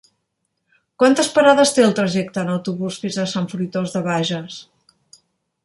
Quantes parades té el trajecte en autobús fins a Sant Fruitós de Bages?